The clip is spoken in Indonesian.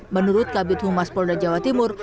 menurut kabit humas polda jawa timur